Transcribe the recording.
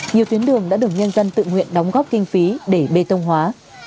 nhiều tuyến đường đã được nhân dân tự nguyện đóng góp kinh phí để bê tông hóa